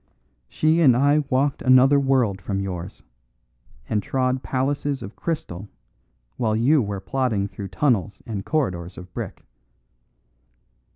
She and I walked another world from yours, and trod palaces of crystal while you were plodding through tunnels and corridors of brick.